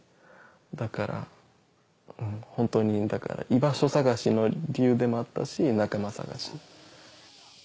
だからホントに居場所探しの理由でもあったし仲間探し。